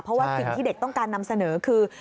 เพราะว่าสิ่งที่เด็กต้องการนำเสนอคือ